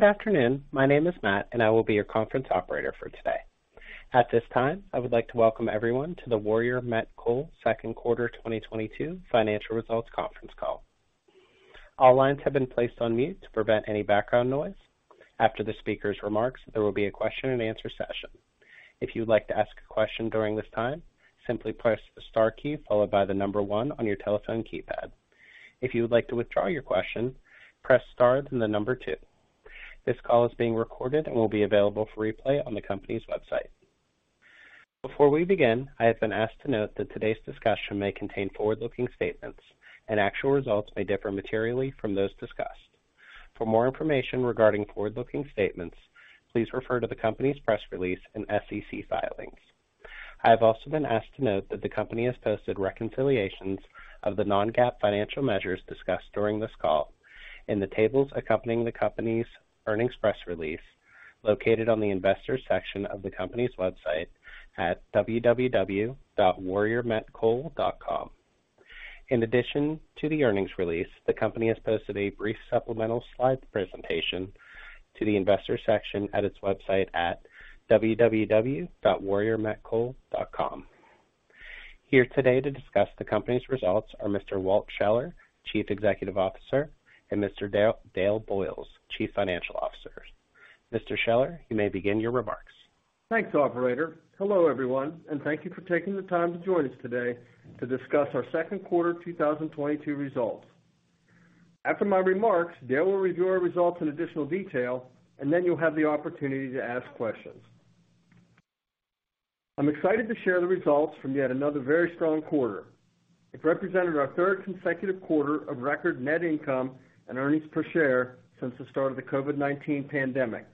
Good afternoon. My name is Matt, and I will be your conference operator for today. At this time, I would like to welcome everyone to the Warrior Met Coal Second Quarter 2022 Financial Results Conference Call. All lines have been placed on mute to prevent any background noise. After the speaker's remarks, there will be a question-and-answer session. If you'd like to ask a question during this time, simply press the star key followed by the number one on your telephone keypad. If you would like to withdraw your question, press star, then the number two. This call is being recorded and will be available for replay on the company's website. Before we begin, I have been asked to note that today's discussion may contain forward-looking statements and actual results may differ materially from those discussed. For more information regarding forward-looking statements, please refer to the company's press release and SEC filings. I have also been asked to note that the company has posted reconciliations of the non-GAAP financial measures discussed during this call in the tables accompanying the company's earnings press release located on the Investors section of the company's website at www.warriormetcoal.com. In addition to the earnings release, the company has posted a brief supplemental slide presentation to the Investors section at its website at www.warriormetcoal.com. Here today to discuss the company's results are Mr. Walt Scheller, Chief Executive Officer, and Mr. Dale Boyles, Chief Financial Officer. Mr. Scheller, you may begin your remarks. Thanks, operator. Hello, everyone, and thank you for taking the time to join us today to discuss our second quarter 2022 results. After my remarks, Dale will review our results in additional detail, and then you'll have the opportunity to ask questions. I'm excited to share the results from yet another very strong quarter. It represented our third consecutive quarter of record net income and earnings per share since the start of the COVID-19 pandemic.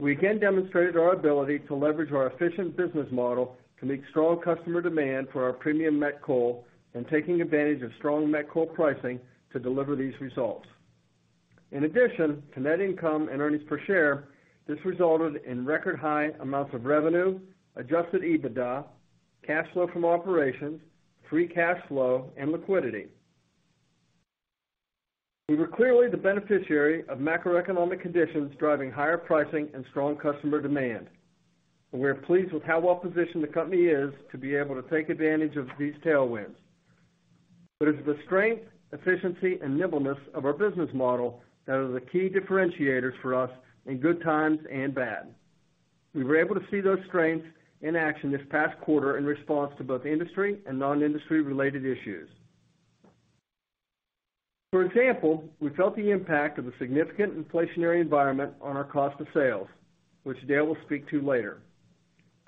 We again demonstrated our ability to leverage our efficient business model to meet strong customer demand for our premium met coal and taking advantage of strong met coal pricing to deliver these results. In addition to net income and earnings per share, this resulted in record high amounts of revenue, adjusted EBITDA, cash flow from operations, free cash flow, and liquidity. We were clearly the beneficiary of macroeconomic conditions driving higher pricing and strong customer demand, and we are pleased with how well-positioned the company is to be able to take advantage of these tailwinds. It's the strength, efficiency, and nimbleness of our business model that are the key differentiators for us in good times and bad. We were able to see those strengths in action this past quarter in response to both industry and non-industry related issues. For example, we felt the impact of the significant inflationary environment on our cost of sales, which Dale will speak to later.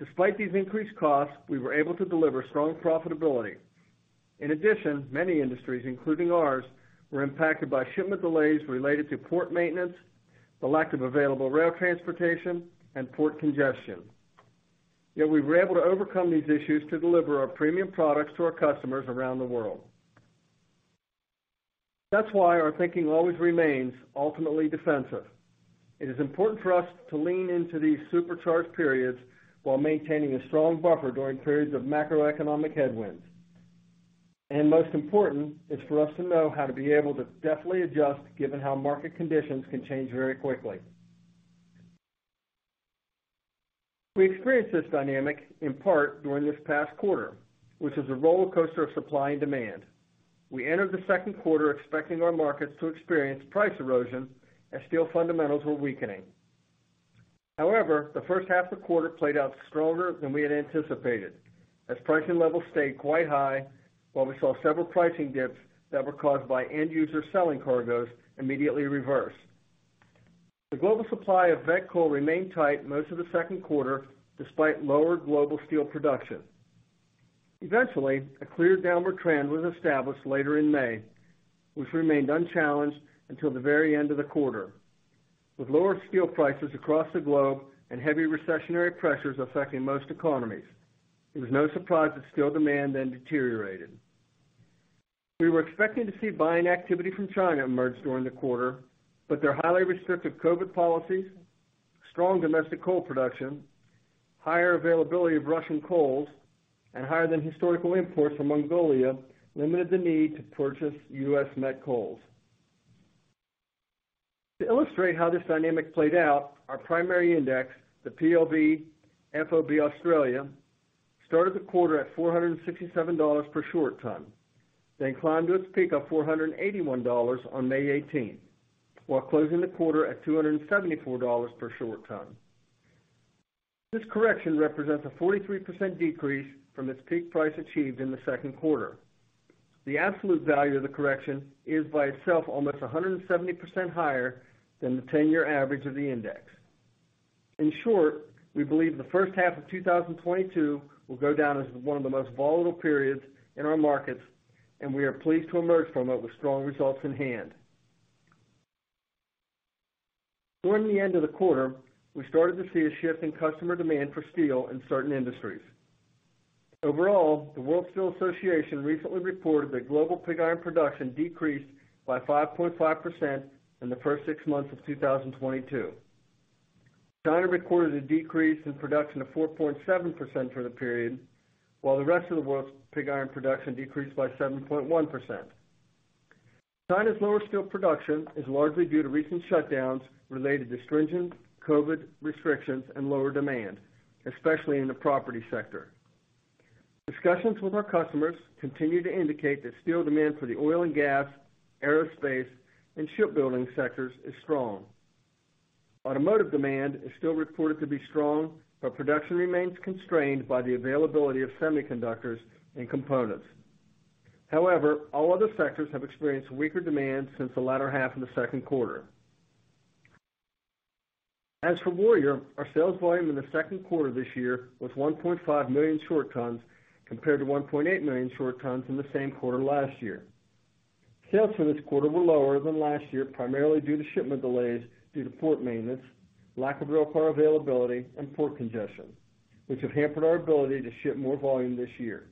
Despite these increased costs, we were able to deliver strong profitability. In addition, many industries, including ours, were impacted by shipment delays related to port maintenance, the lack of available rail transportation, and port congestion. Yet we were able to overcome these issues to deliver our premium products to our customers around the world. That's why our thinking always remains ultimately defensive. It is important for us to lean into these supercharged periods while maintaining a strong buffer during periods of macroeconomic headwinds. Most important is for us to know how to be able to deftly adjust given how market conditions can change very quickly. We experienced this dynamic in part during this past quarter, which is a rollercoaster of supply and demand. We entered the second quarter expecting our markets to experience price erosion as steel fundamentals were weakening. However, the first half of the quarter played out stronger than we had anticipated, as pricing levels stayed quite high, while we saw several pricing dips that were caused by end user selling cargoes immediately reversed. The global supply of met coal remained tight most of the second quarter, despite lower global steel production. Eventually, a clear downward trend was established later in May, which remained unchallenged until the very end of the quarter. With lower steel prices across the globe and heavy recessionary pressures affecting most economies, it was no surprise that steel demand then deteriorated. We were expecting to see buying activity from China emerge during the quarter, but their highly restrictive COVID policies, strong domestic coal production, higher availability of Russian coals, and higher than historical imports from Mongolia limited the need to purchase U.S. met coals. To illustrate how this dynamic played out, our primary index, the PLV FOB Australia, started the quarter at $467 per short ton, then climbed to its peak of $481 on May eighteenth, while closing the quarter at $274 per short ton. This correction represents a 43% decrease from its peak price achieved in the second quarter. The absolute value of the correction is by itself almost 170% higher than the 10-year average of the index. In short, we believe the first half of 2022 will go down as one of the most volatile periods in our markets, and we are pleased to emerge from it with strong results in hand. During the end of the quarter, we started to see a shift in customer demand for steel in certain industries. Overall, the World Steel Association recently reported that global pig iron production decreased by 5.5% in the first six months of 2022. China recorded a decrease in production of 4.7% for the period, while the rest of the world's pig iron production decreased by 7.1%. China's lower steel production is largely due to recent shutdowns related to stringent COVID restrictions and lower demand, especially in the property sector. Discussions with our customers continue to indicate that steel demand for the oil and gas, aerospace, and shipbuilding sectors is strong. Automotive demand is still reported to be strong, but production remains constrained by the availability of semiconductors and components. However, all other sectors have experienced weaker demand since the latter half of the second quarter. As for Warrior, our sales volume in the second quarter this year was 1.5 million short tons compared to 1.8 million short tons in the same quarter last year. Sales for this quarter were lower than last year, primarily due to shipment delays due to port maintenance, lack of rail car availability, and port congestion, which have hampered our ability to ship more volume this year.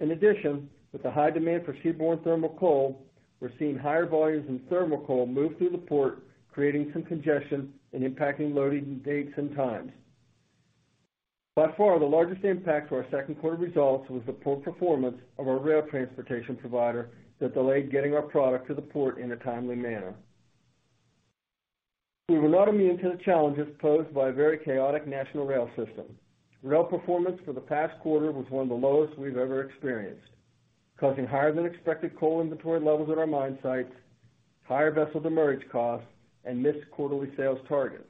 In addition, with the high demand for seaborne thermal coal, we're seeing higher volumes in thermal coal move through the port, creating some congestion and impacting loading dates and times. By far, the largest impact to our second quarter results was the poor performance of our rail transportation provider that delayed getting our product to the port in a timely manner. We were not immune to the challenges posed by a very chaotic national rail system. Rail performance for the past quarter was one of the lowest we've ever experienced, causing higher than expected coal inventory levels at our mine sites, higher vessel demurrage costs, and missed quarterly sales targets.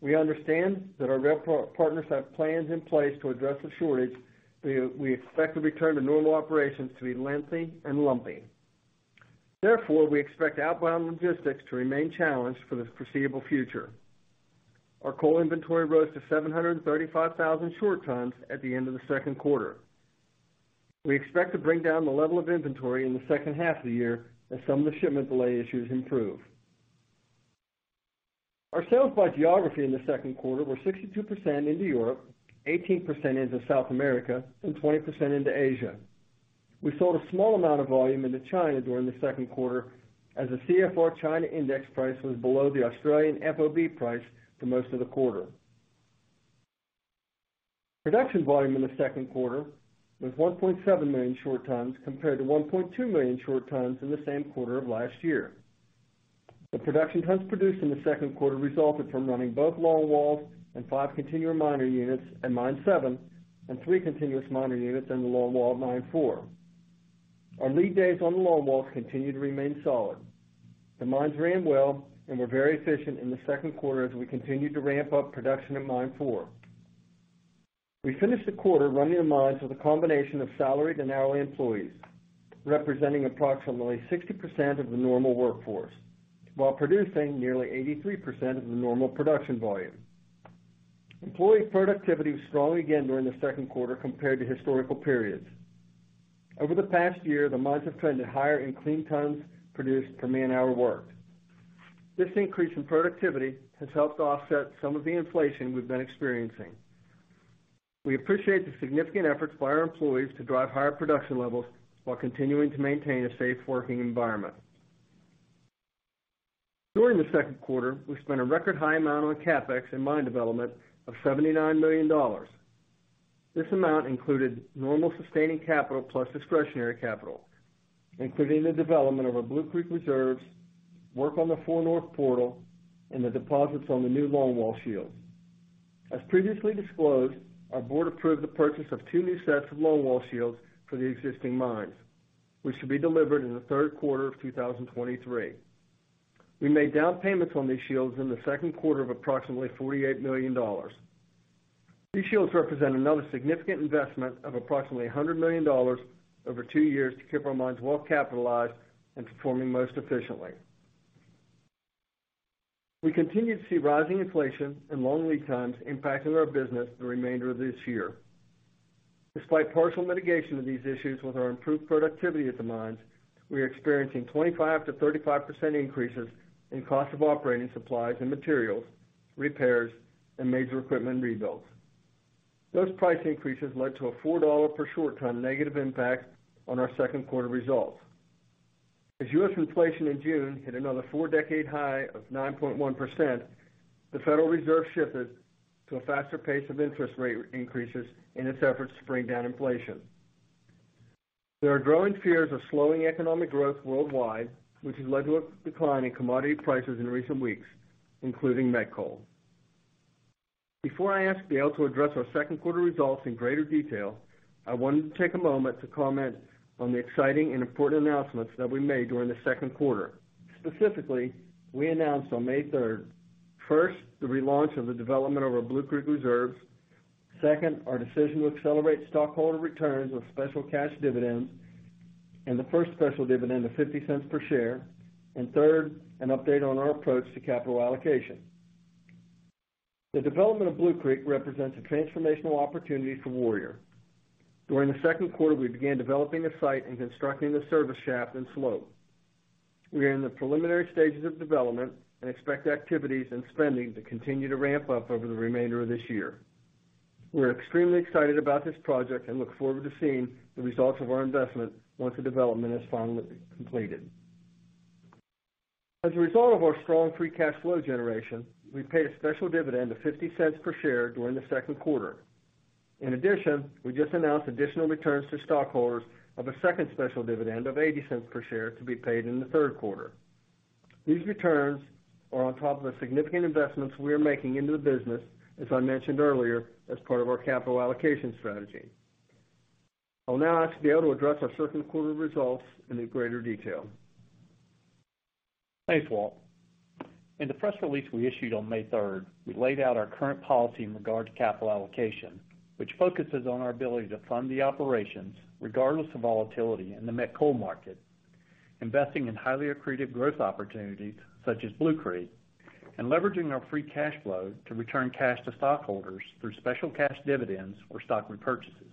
We understand that our rail partners have plans in place to address the shortage. We expect the return to normal operations to be lengthy and lumpy. Therefore, we expect outbound logistics to remain challenged for the foreseeable future. Our coal inventory rose to 735,000 short tons at the end of the second quarter. We expect to bring down the level of inventory in the second half of the year as some of the shipment delay issues improve. Our sales by geography in the second quarter were 62% into Europe, 18% into South America, and 20% into Asia. We sold a small amount of volume into China during the second quarter as the CFR China index price was below the Australian FOB price for most of the quarter. Production volume in the second quarter was 1.7 million short tons compared to 1.2 million short tons in the same quarter of last year. The production tons produced in the second quarter resulted from running both longwalls and five continuous mining units at Mine 7 and three continuous mining units in the longwall at Mine 4. Our lead days on the longwalls continue to remain solid. The mines ran well and were very efficient in the second quarter as we continued to ramp up production at Mine 4. We finished the quarter running the mines with a combination of salaried and hourly employees, representing approximately 60% of the normal workforce, while producing nearly 83% of the normal production volume. Employee productivity was strong again during the second quarter compared to historical periods. Over the past year, the mines have trended higher in clean tons produced per man-hour worked. This increase in productivity has helped to offset some of the inflation we've been experiencing. We appreciate the significant efforts by our employees to drive higher production levels while continuing to maintain a safe working environment. During the second quarter, we spent a record high amount on CapEx and mine development of $79 million. This amount included normal sustaining capital plus discretionary capital, including the development of our Blue Creek reserves, work on the Four North portal, and the deposits on the new longwall shields. As previously disclosed, our board approved the purchase of two new sets of longwall shields for the existing mines, which should be delivered in the third quarter of 2023. We made down payments on these shields in the second quarter of approximately $48 million. These shields represent another significant investment of approximately $100 million over two years to keep our mines well capitalized and performing most efficiently. We continue to see rising inflation and long lead times impacting our business the remainder of this year. Despite partial mitigation of these issues with our improved productivity at the mines, we are experiencing 25%-35% increases in cost of operating supplies and materials, repairs, and major equipment rebuilds. Those price increases led to a $4 per short ton negative impact on our second quarter results. As U.S. inflation in June hit another four-decade high of 9.1%, the Federal Reserve shifted to a faster pace of interest rate increases in its efforts to bring down inflation. There are growing fears of slowing economic growth worldwide, which has led to a decline in commodity prices in recent weeks, including met coal. Before I ask Dale to address our second quarter results in greater detail, I wanted to take a moment to comment on the exciting and important announcements that we made during the second quarter. Specifically, we announced on May third, first, the relaunch of the development of our Blue Creek reserves. Second, our decision to accelerate stockholder returns with special cash dividends, and the first special dividend of $0.50 per share. Third, an update on our approach to capital allocation. The development of Blue Creek represents a transformational opportunity for Warrior. During the second quarter, we began developing the site and constructing the service shaft and slope. We are in the preliminary stages of development and expect activities and spending to continue to ramp up over the remainder of this year. We're extremely excited about this project and look forward to seeing the results of our investment once the development is finally completed. As a result of our strong free cash flow generation, we paid a special dividend of $0.50 per share during the second quarter. In addition, we just announced additional returns to stockholders of a second special dividend of $0.80 per share to be paid in the third quarter. These returns are on top of the significant investments we are making into the business, as I mentioned earlier, as part of our capital allocation strategy. I'll now ask Dale Boyles to address our second quarter results in greater detail. Thanks, Walt. In the press release we issued on May third, we laid out our current policy in regard to capital allocation, which focuses on our ability to fund the operations regardless of volatility in the met coal market, investing in highly accretive growth opportunities such as Blue Creek, and leveraging our free cash flow to return cash to stockholders through special cash dividends or stock repurchases.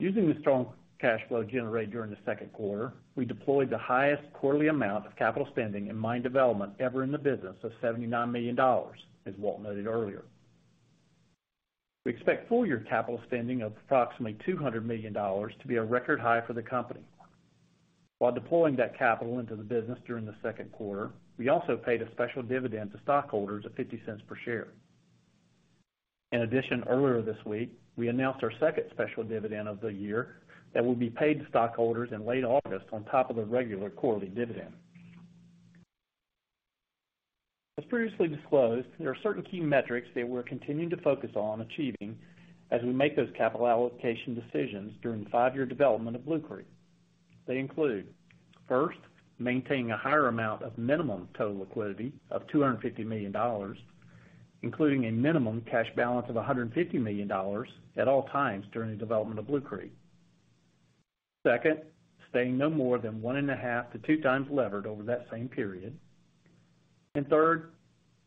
Using the strong cash flow generated during the second quarter, we deployed the highest quarterly amount of capital spending in mine development ever in the business of $79 million, as Walt noted earlier. We expect full year capital spending of approximately $200 million to be a record high for the company. While deploying that capital into the business during the second quarter, we also paid a special dividend to stockholders of $0.50 per share. In addition, earlier this week, we announced our second special dividend of the year that will be paid to stockholders in late August on top of the regular quarterly dividend. As previously disclosed, there are certain key metrics that we're continuing to focus on achieving as we make those capital allocation decisions during the five-year development of Blue Creek. They include, first, maintaining a higher amount of minimum total liquidity of $250 million, including a minimum cash balance of $150 million at all times during the development of Blue Creek. Second, staying no more than 1.5x-2x levered over that same period. Third,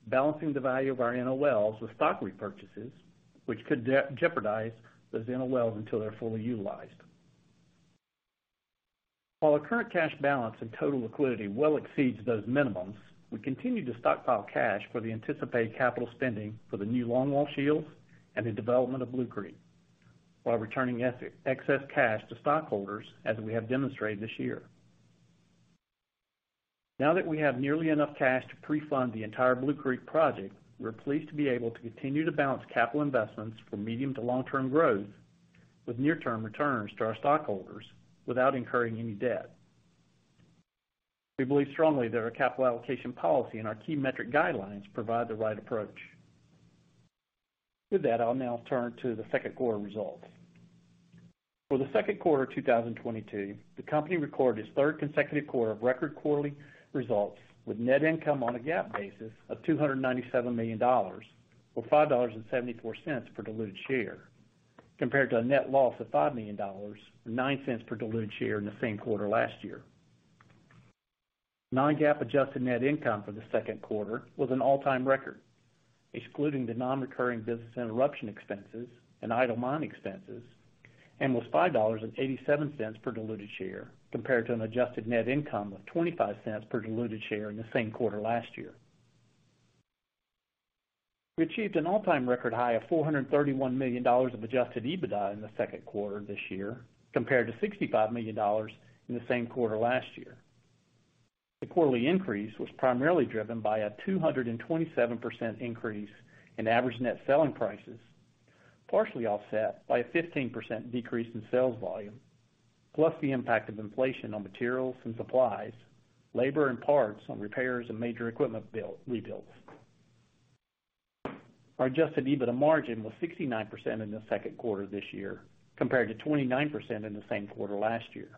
balancing the value of our NOLs with stock repurchases, which could jeopardize those NOLs until they're fully utilized. While our current cash balance and total liquidity well exceeds those minimums, we continue to stockpile cash for the anticipated capital spending for the new longwall shields and the development of Blue Creek, while returning excess cash to stockholders, as we have demonstrated this year. Now that we have nearly enough cash to pre-fund the entire Blue Creek project, we're pleased to be able to continue to balance capital investments for medium to long-term growth with near-term returns to our stockholders without incurring any debt. We believe strongly that our capital allocation policy and our key metric guidelines provide the right approach. With that, I'll now turn to the second quarter results. For the second quarter of 2022, the company recorded its third consecutive quarter of record quarterly results with net income on a GAAP basis of $297 million, or $5.74 per diluted share, compared to a net loss of $5 million or $0.09 per diluted share in the same quarter last year. Non-GAAP adjusted net income for the second quarter was an all-time record, excluding the non-recurring business interruption expenses and idle mine expenses, and was $5.87 per diluted share, compared to an adjusted net income of $0.25 per diluted share in the same quarter last year. We achieved an all-time record high of $431 million of adjusted EBITDA in the second quarter this year, compared to $65 million in the same quarter last year. The quarterly increase was primarily driven by a 227% increase in average net selling prices, partially offset by a 15% decrease in sales volume, plus the impact of inflation on materials and supplies, labor and parts on repairs and major equipment rebuilds. Our adjusted EBITDA margin was 69% in the second quarter this year, compared to 29% in the same quarter last year.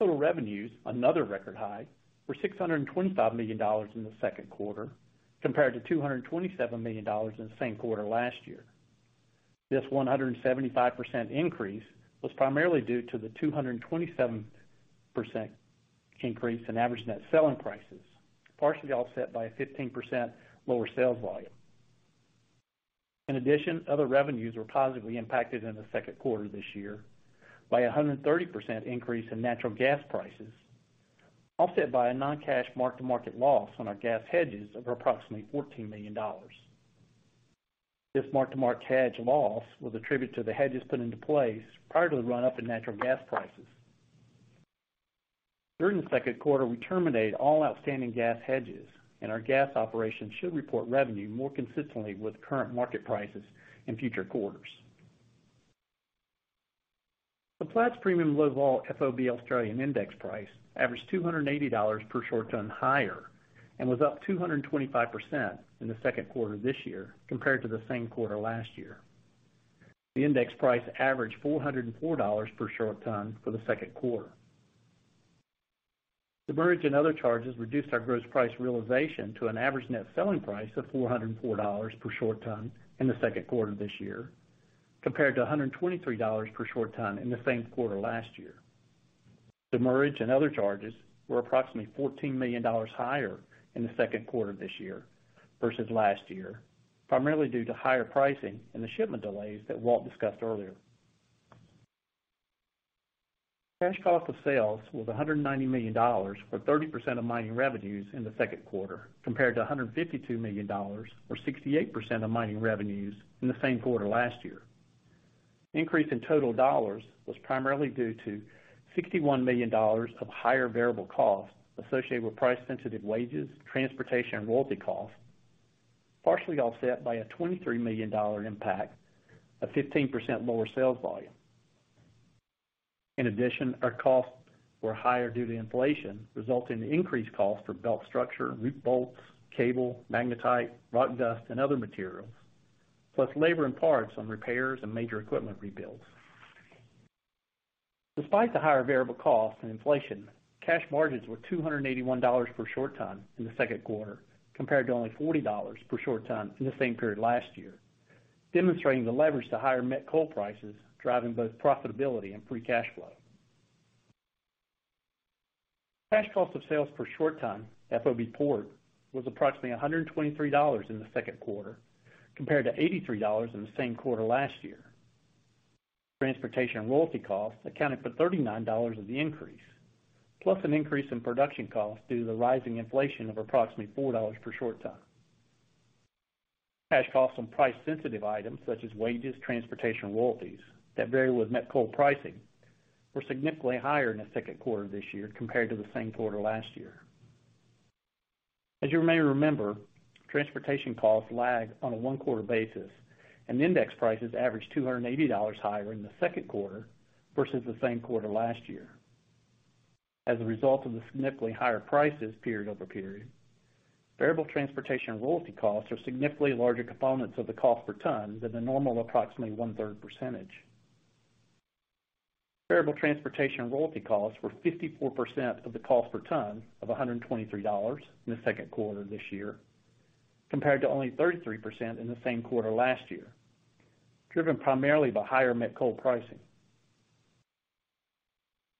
Total revenues, another record high, were $625 million in the second quarter, compared to $227 million in the same quarter last year. This 175% increase was primarily due to the 227% increase in average net selling prices, partially offset by a 15% lower sales volume. In addition, other revenues were positively impacted in the second quarter this year by a 130% increase in natural gas prices, offset by a non-cash mark-to-market loss on our gas hedges of approximately $14 million. This mark-to-market hedge loss was attributed to the hedges put into place prior to the run-up in natural gas prices. During the second quarter, we terminated all outstanding gas hedges, and our gas operations should report revenue more consistently with current market prices in future quarters. The Platts Premium Low Vol FOB Australian Index price averaged $280 per short ton higher and was up 225% in the second quarter this year compared to the same quarter last year. The index price averaged $404 per short ton for the second quarter. Demurrage and other charges reduced our gross price realization to an average net selling price of $404 per short ton in the second quarter this year, compared to $123 per short ton in the same quarter last year. Demurrage and other charges were approximately $14 million higher in the second quarter this year versus last year, primarily due to higher pricing and the shipment delays that Walt discussed earlier. Cash cost of sales was $190 million for 30% of mining revenues in the second quarter, compared to $152 million or 68% of mining revenues from the same quarter last year. Increase in total dollars was primarily due to $61 million of higher variable costs associated with price sensitive wages, transportation and royalty costs, partially offset by a $23 million impact of 15% lower sales volume. In addition, our costs were higher due to inflation, resulting in increased costs for belt structure, roof bolts, cable, magnetite, rock dust, and other materials, plus labor and parts on repairs and major equipment rebuilds. Despite the higher variable costs and inflation, cash margins were $281 per short ton in the second quarter, compared to only $40 per short ton in the same period last year, demonstrating the leverage to higher met coal prices, driving both profitability and free cash flow. Cash cost of sales per short ton, FOB port, was approximately $123 in the second quarter, compared to $83 in the same quarter last year. Transportation and royalty costs accounted for $39 of the increase, plus an increase in production costs due to the rising inflation of approximately $4 per short ton. Cash costs on price sensitive items such as wages, transportation, and royalties that vary with met coal pricing were significantly higher in the second quarter of this year compared to the same quarter last year. As you may remember, transportation costs lag on a one-quarter basis and index prices averaged $280 higher in the second quarter versus the same quarter last year. As a result of the significantly higher prices period-over-period, variable transportation and royalty costs are significantly larger components of the cost per ton than the normal approximately 1/3 percentage. Variable transportation and royalty costs were 54% of the cost per ton of $123 in the second quarter this year, compared to only 33% in the same quarter last year, driven primarily by higher met coal pricing.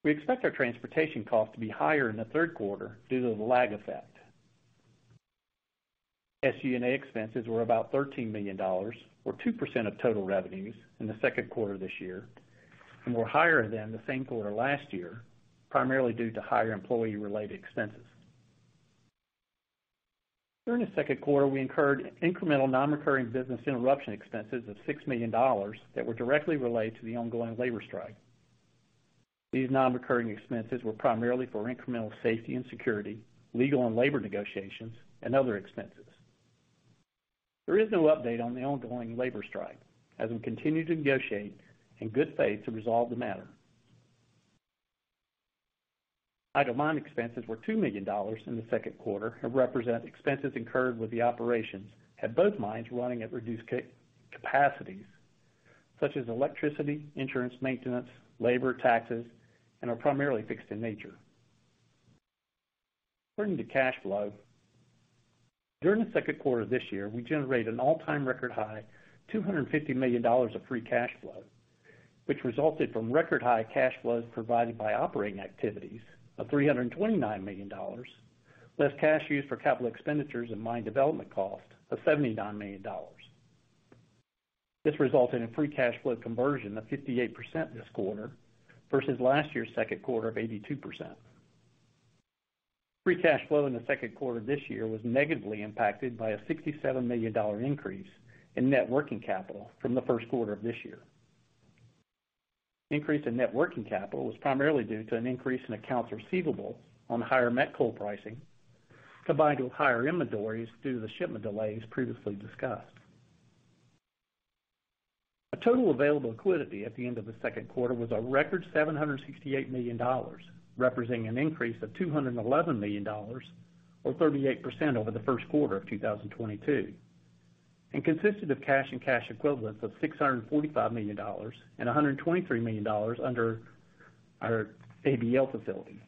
We expect our transportation costs to be higher in the third quarter due to the lag effect. SG&A expenses were about $13 million or 2% of total revenues in the second quarter this year, and were higher than the same quarter last year, primarily due to higher employee-related expenses. During the second quarter, we incurred incremental non-recurring business interruption expenses of $6 million that were directly related to the ongoing labor strike. These non-recurring expenses were primarily for incremental safety and security, legal and labor negotiations, and other expenses. There is no update on the ongoing labor strike as we continue to negotiate in good faith to resolve the matter. Idle mine expenses were $2 million in the second quarter and represent expenses incurred with the operations at both mines running at reduced capacities such as electricity, insurance, maintenance, labor, taxes, and are primarily fixed in nature. Regarding cash flow, during the second quarter this year, we generated an all-time record high $250 million of free cash flow, which resulted from record high cash flows provided by operating activities of $329 million, less cash used for capital expenditures and mine development cost of $79 million. This resulted in free cash flow conversion of 58% this quarter versus last year's second quarter of 82%. Free cash flow in the second quarter this year was negatively impacted by a $67 million increase in net working capital from the first quarter of this year. Increase in net working capital was primarily due to an increase in accounts receivable on higher met coal pricing, combined with higher inventories due to the shipment delays previously discussed. Our total available liquidity at the end of the second quarter was a record $768 million, representing an increase of $211 million or 38% over the first quarter of 2022, and consisted of cash and cash equivalents of $645 million and $123 million under our ABL facility.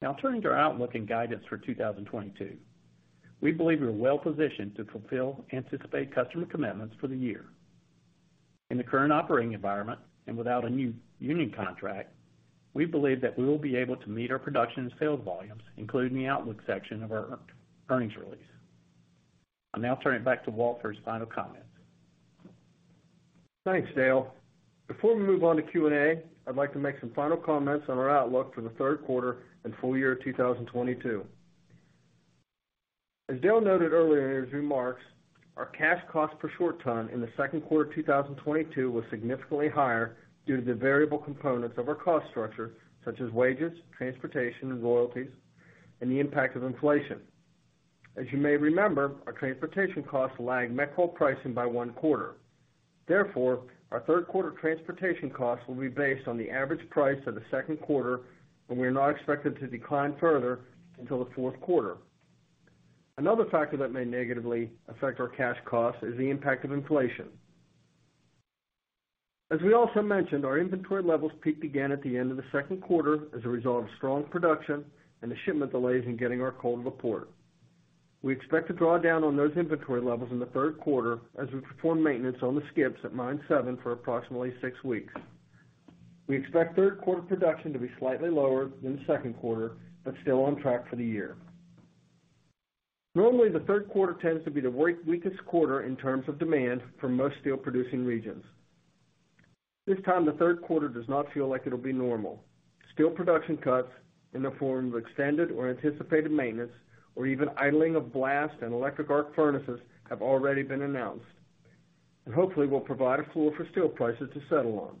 Now turning to our outlook and guidance for 2022. We believe we are well positioned to fulfill anticipated customer commitments for the year. In the current operating environment and without a new union contract, we believe that we will be able to meet our production and sales volumes included in the outlook section of our earnings release. I'll now turn it back to Walt for his final comments. Thanks, Dale. Before we move on to Q&A, I'd like to make some final comments on our outlook for the third quarter and full year of 2022. As Dale noted earlier in his remarks, our cash cost per short ton in the second quarter of 2022 was significantly higher due to the variable components of our cost structure, such as wages, transportation, and royalties, and the impact of inflation. As you may remember, our transportation costs lag met coal pricing by one quarter. Therefore, our third quarter transportation costs will be based on the average price of the second quarter, and we are not expected to decline further until the fourth quarter. Another factor that may negatively affect our cash costs is the impact of inflation. As we also mentioned, our inventory levels peaked again at the end of the second quarter as a result of strong production and the shipment delays in getting our coal to the port. We expect to draw down on those inventory levels in the third quarter as we perform maintenance on the skips at Mine 7 for approximately six weeks. We expect third quarter production to be slightly lower than the second quarter, but still on track for the year. Normally, the third quarter tends to be the weakest quarter in terms of demand for most steel producing regions. This time, the third quarter does not feel like it'll be normal. Steel production cuts in the form of extended or anticipated maintenance or even idling of blast and electric arc furnaces have already been announced, and hopefully will provide a floor for steel prices to settle on.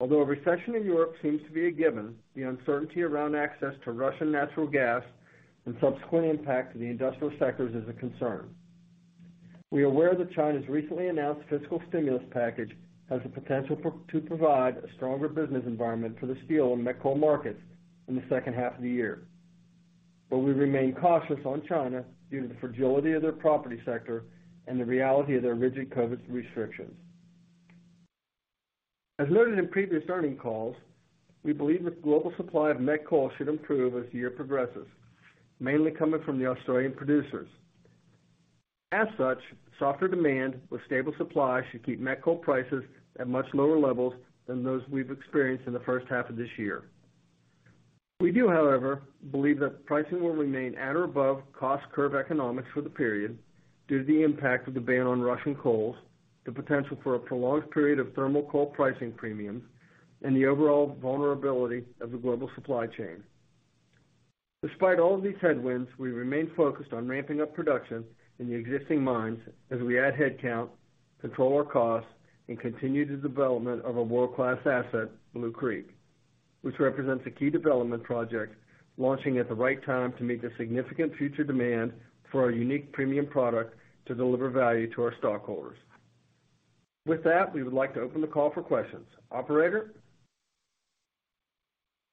Although a recession in Europe seems to be a given, the uncertainty around access to Russian natural gas and subsequent impact to the industrial sectors is a concern. We are aware that China's recently announced fiscal stimulus package has the potential to provide a stronger business environment for the steel and met coal markets in the second half of the year. We remain cautious on China due to the fragility of their property sector and the reality of their rigid COVID restrictions. As noted in previous earnings calls, we believe the global supply of met coal should improve as the year progresses, mainly coming from the Australian producers. As such, softer demand with stable supply should keep met coal prices at much lower levels than those we've experienced in the first half of this year. We do, however, believe that pricing will remain at or above cost curve economics for the period due to the impact of the ban on Russian coals, the potential for a prolonged period of thermal coal pricing premiums, and the overall vulnerability of the global supply chain. Despite all of these headwinds, we remain focused on ramping up production in the existing mines as we add headcount, control our costs, and continue the development of a world-class asset, Blue Creek, which represents a key development project launching at the right time to meet the significant future demand for our unique premium product to deliver value to our stockholders. With that, we would like to open the call for questions. Operator?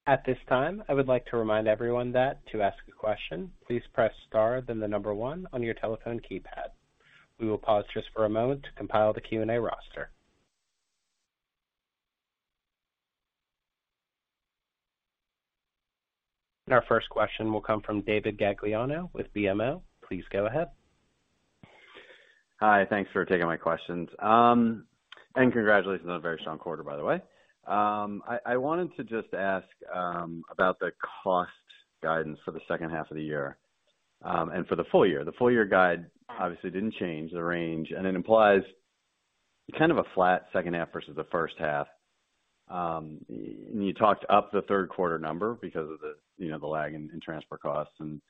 At this time, I would like to remind everyone that to ask a question, please press star then the number one on your telephone keypad. We will pause just for a moment to compile the Q&A roster. Our first question will come from David Gagliano with BMO. Please go ahead. Hi, thanks for taking my questions. Congratulations on a very strong quarter, by the way. I wanted to just ask about the cost guidance for the second half of the year and for the full year. The full year guide obviously didn't change the range, and it implies kind of a flat second half versus the first half. You talked up the third quarter number because of the, you know, the lag in transfer costs and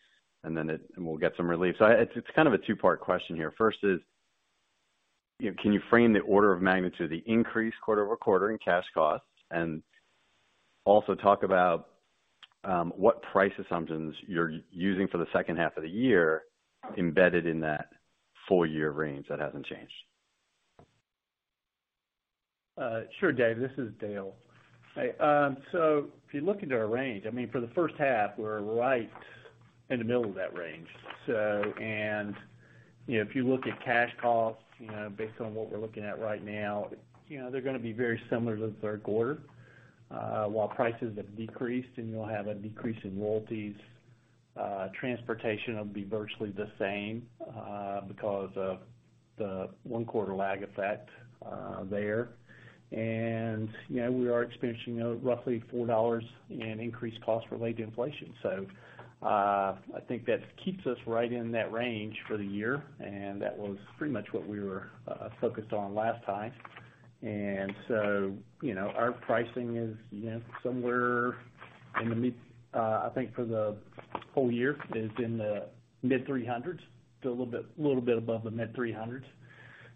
we'll get some relief. It's kind of a two-part question here. First is, you know, can you frame the order of magnitude of the increase quarter-over-quarter in cash costs, and also talk about what price assumptions you're using for the second half of the year embedded in that full year range that hasn't changed? Sure, David. This is Dale. Hey, so if you look into our range, I mean, for the first half, we're right in the middle of that range. You know, if you look at cash costs, you know, based on what we're looking at right now, you know, they're gonna be very similar to the third quarter. While prices have decreased and you'll have a decrease in royalties, transportation will be virtually the same, because of the one quarter lag effect there. You know, we are experiencing, you know, roughly $4 in increased costs related to inflation. I think that keeps us right in that range for the year, and that was pretty much what we were focused on last time. You know, our pricing is, you know, somewhere in the mid-, I think for the whole year is in the mid-$300s to a little bit above the mid-$300s.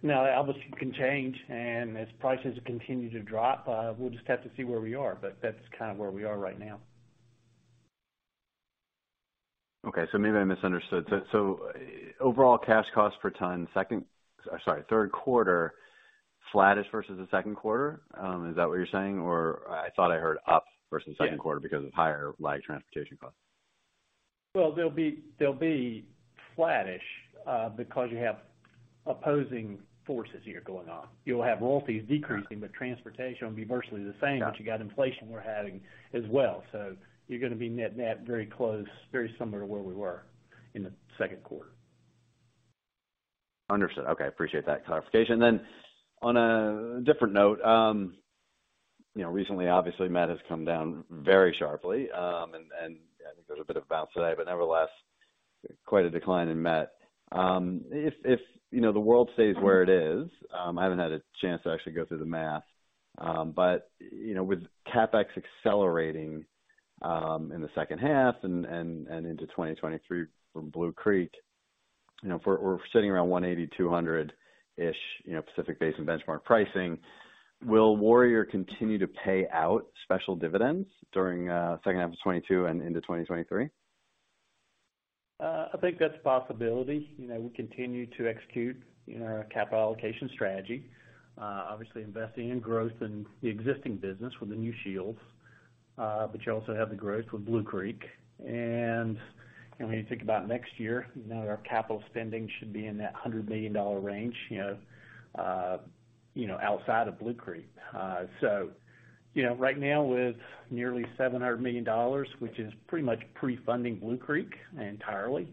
Now, that obviously can change and as prices continue to drop, we'll just have to see where we are, but that's kind of where we are right now. Maybe I misunderstood. Overall cash cost per ton, second, sorry, third quarter flattish versus the second quarter. Is that what you're saying? I thought I heard up versus second quarter because of higher rail transportation costs. Well, they'll be flattish because you have opposing forces here going on. You'll have royalties decreasing, but transportation will be virtually the same. Got it. You got inflation we're having as well. You're gonna be net-net very close, very similar to where we were in the second quarter. Understood. Okay. Appreciate that clarification. On a different note, you know, recently obviously met has come down very sharply. I think there's a bit of a bounce today, but nevertheless quite a decline in met. If you know, the world stays where it is, I haven't had a chance to actually go through the math, but you know, with CapEx accelerating in the second half and into 2023 from Blue Creek, you know, if we're sitting around 180, 200-ish, you know, Pacific Basin benchmark pricing, will Warrior continue to pay out special dividends during second half of 2022 and into 2023? I think that's a possibility. You know, we continue to execute in our capital allocation strategy. Obviously investing in growth in the existing business with the new shields, but you also have the growth with Blue Creek. When you think about next year, you know, our capital spending should be in that $100 million range, you know, outside of Blue Creek. You know, right now with nearly $700 million, which is pretty much pre-funding Blue Creek entirely,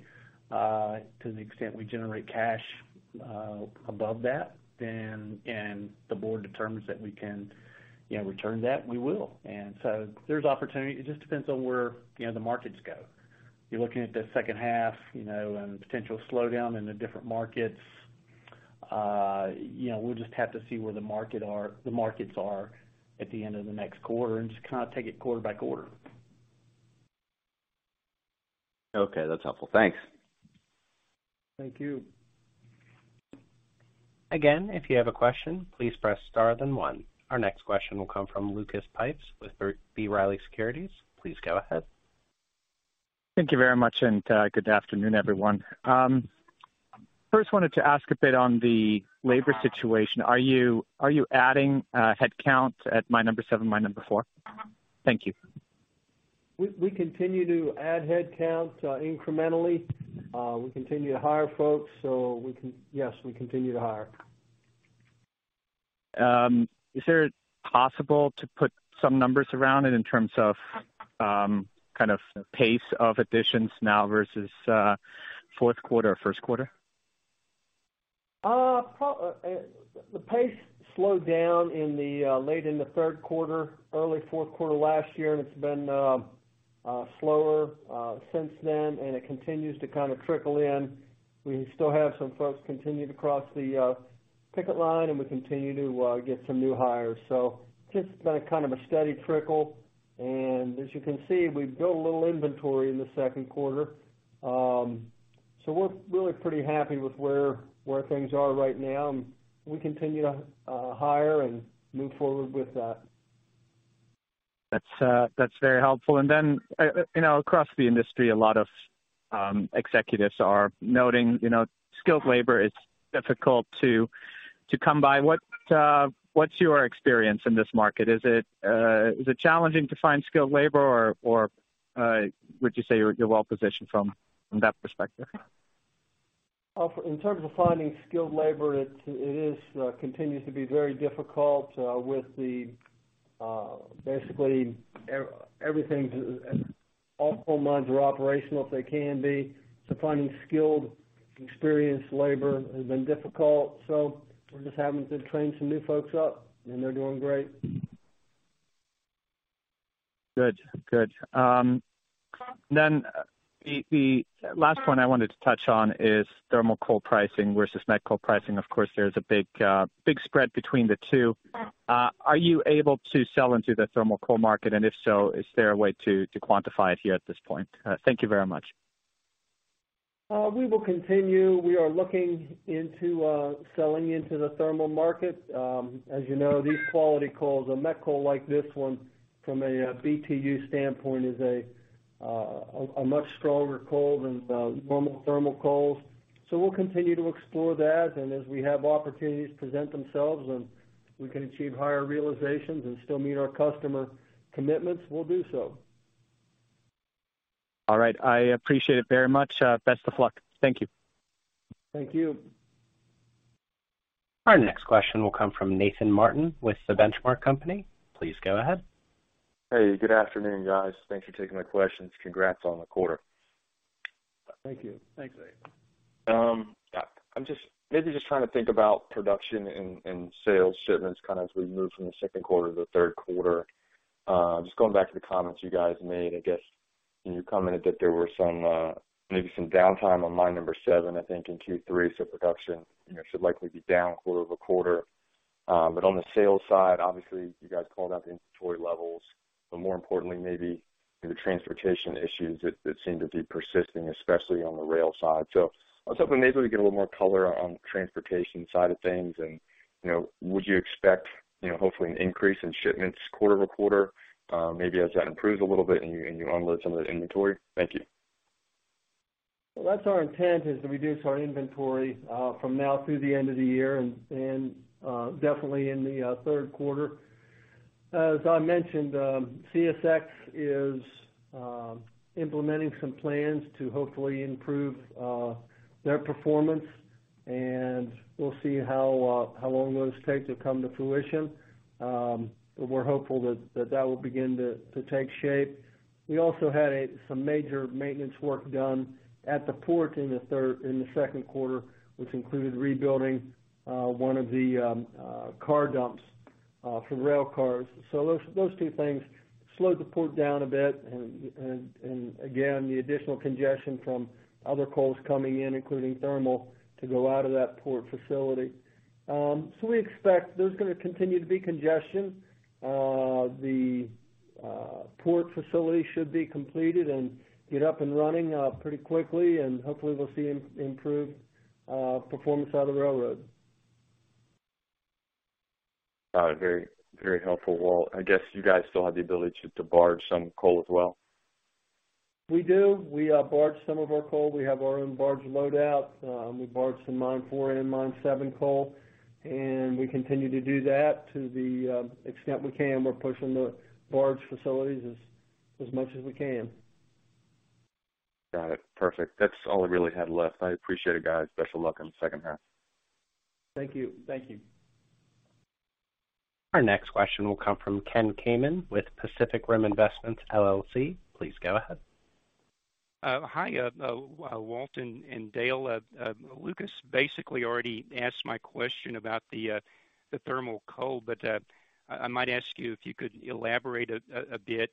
to the extent we generate cash above that then, and the board determines that we can, you know, return that, we will. There's opportunity. It just depends on where, you know, the markets go. You're looking at the second half, you know, and potential slowdown in the different markets. You know, we'll just have to see where the markets are at the end of the next quarter and just kinda take it quarter by quarter. Okay, that's helpful. Thanks. Thank you. Again, if you have a question, please press Star then One. Our next question will come from Lucas Pipes with B. Riley Securities. Please go ahead. Thank you very much, and good afternoon, everyone. First wanted to ask a bit on the labor situation. Are you adding headcount at Mine No. 7, Mine No. 4? Thank you. We continue to add headcount incrementally. We continue to hire folks, so yes, we continue to hire. Is it possible to put some numbers around it in terms of kind of pace of additions now versus fourth quarter or first quarter? The pace slowed down in the late in the third quarter, early fourth quarter last year, and it's been slower since then, and it continues to kind of trickle in. We still have some folks continue to cross the picket line, and we continue to get some new hires. Just been a kind of a steady trickle. As you can see, we've built a little inventory in the second quarter. We're really pretty happy with where things are right now. We continue to hire and move forward with that. That's very helpful. Then, you know, across the industry, a lot of executives are noting, you know, skilled labor is difficult to come by. What's your experience in this market? Is it challenging to find skilled labor or would you say you're well positioned from that perspective? Well, in terms of finding skilled labor, it continues to be very difficult, with basically all coal mines are operational if they can be. Finding skilled, experienced labor has been difficult. We're just having to train some new folks up, and they're doing great. Good. Then the last point I wanted to touch on is thermal coal pricing versus met coal pricing. Of course, there's a big spread between the two. Are you able to sell into the thermal coal market? If so, is there a way to quantify it here at this point? Thank you very much. We will continue. We are looking into selling into the thermal market. As you know, these quality coals, a met coal like this one from a BTU standpoint is a much stronger coal than normal thermal coals. We'll continue to explore that. As we have opportunities present themselves and we can achieve higher realizations and still meet our customer commitments, we'll do so. All right. I appreciate it very much. Best of luck. Thank you. Thank you. Our next question will come from Nathan Martin with The Benchmark Company. Please go ahead. Hey, good afternoon, guys. Thanks for taking my questions. Congrats on the quarter. Thank you. Thanks, Nathan. I'm just maybe just trying to think about production and sales shipments kind of as we move from the second quarter to the third quarter. Just going back to the comments you guys made, I guess when you commented that there were some, maybe some downtime on Mine No. 7, I think in Q3, so production, you know, should likely be down quarter-over-quarter. On the sales side, obviously you guys called out the inventory levels, but more importantly, maybe the transportation issues that seem to be persisting, especially on the rail side. I was hoping maybe we get a little more color on the transportation side of things. You know, would you expect, you know, hopefully an increase in shipments quarter-over-quarter, maybe as that improves a little bit and you unload some of the inventory? Thank you. Well, that's our intent is to reduce our inventory from now through the end of the year and definitely in the third quarter. As I mentioned, CSX is implementing some plans to hopefully improve their performance, and we'll see how long those take to come to fruition. We're hopeful that that will begin to take shape. We also had some major maintenance work done at the port in the second quarter, which included rebuilding one of the car dumps for rail cars. Those two things slowed the port down a bit and again, the additional congestion from other coals coming in, including thermal, to go out of that port facility. We expect there's gonna continue to be congestion. The port facility should be completed and get up and running pretty quickly and hopefully we'll see improved performance out of the railroad. Got it. Very, very helpful, Walt. I guess you guys still have the ability to barge some coal as well? We do. We barge some of our coal. We have our own barge loadout. We barge some Mine 4 and Mine 7 coal, and we continue to do that to the extent we can. We're pushing the barge facilities as much as we can. Got it. Perfect. That's all I really had left. I appreciate it, guys. Best of luck on the second half. Thank you. Thank you. Our next question will come from Ken Kamon with Pacific Rim Investments LLC. Please go ahead. Hi, Walt and Dale. Lucas basically already asked my question about the thermal coal, but I might ask you if you could elaborate a bit,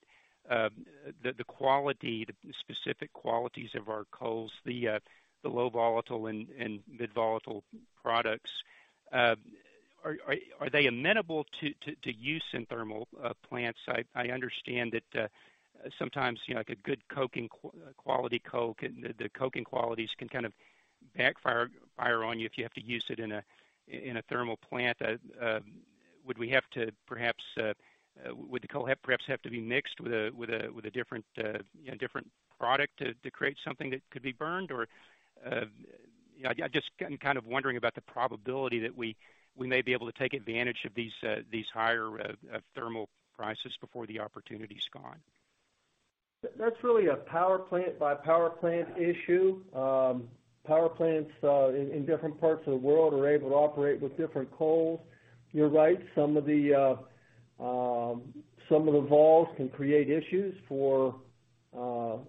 the quality, the specific qualities of our coals, the low volatile and mid-volatile products. Are they amenable to use in thermal plants? I understand that, sometimes, you know, like a good coking quality coke and the coking qualities can kind of backfire on you if you have to use it in a thermal plant. Would we have to perhaps, would the coal perhaps have to be mixed with a different, you know, different product to create something that could be burned? You know, I just I'm kind of wondering about the probability that we may be able to take advantage of these higher thermal prices before the opportunity's gone. That's really a power plant by power plant issue. Power plants in different parts of the world are able to operate with different coals. You're right. Some of the vols can create issues when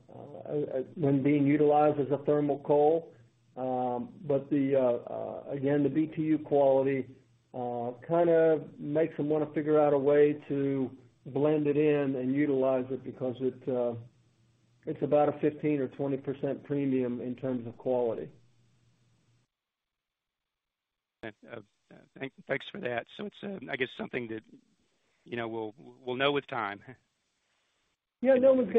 being utilized as a thermal coal. Again, the BTU quality kinda makes them wanna figure out a way to blend it in and utilize it because it's about a 15 or 20% premium in terms of quality. Thanks for that. It's, I guess something that, you know, we'll know with time. I agree with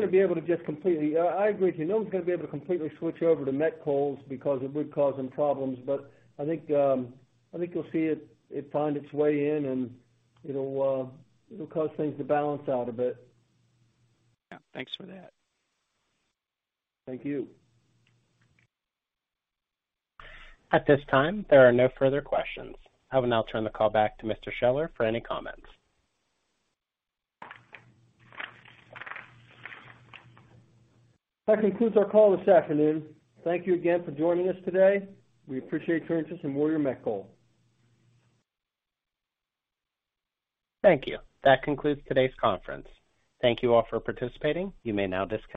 you. No one's gonna be able to completely switch over to met coals because it would cause them problems. I think you'll see it'll find its way in and it'll cause things to balance out a bit. Yeah. Thanks for that. Thank you. At this time, there are no further questions. I will now turn the call back to Mr. Scheller for any comments. That concludes our call this afternoon. Thank you again for joining us today. We appreciate your interest in Warrior Met Coal. Thank you. That concludes today's conference. Thank you all for participating. You may now disconnect.